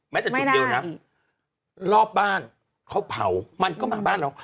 จากจุดเดียวนะรอบบ้านเขาเผามันก็มาบ้านเรา